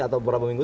atau berapa minggu